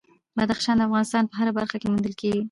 بدخشان د افغانستان په هره برخه کې موندل کېږي.